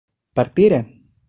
¿partieran?